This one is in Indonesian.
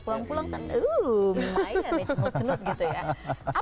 pulang pulang kan uuuhh lumayan deh cukup cenut gitu ya